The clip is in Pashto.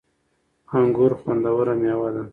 انګور خوندوره مېوه ده